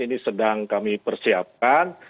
ini sedang kami persiapkan